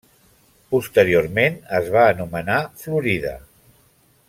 Posteriorment es va anomenar Florida.